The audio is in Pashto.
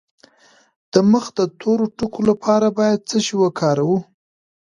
د مخ د تور ټکو لپاره باید څه شی وکاروم؟